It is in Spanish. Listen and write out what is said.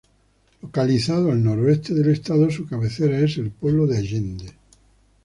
Localizado al noreste del estado, su cabecera es el pueblo de Allende.